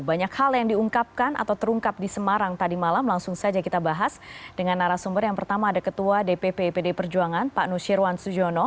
banyak hal yang diungkapkan atau terungkap di semarang tadi malam langsung saja kita bahas dengan narasumber yang pertama ada ketua dpp pdi perjuangan pak nusirwan sujono